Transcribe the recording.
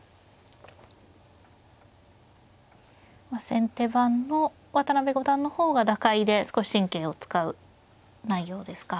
先手番の渡辺五段の方が打開で少し神経を使う内容ですか。